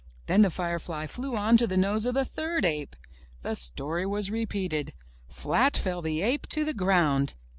Then the firefly flew on to the nose of the third ape; the story was repeated. Flat fell the ape to the ground